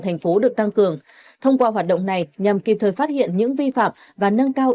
thành phố được tăng cường thông qua hoạt động này nhằm kịp thời phát hiện những vi phạm và nâng cao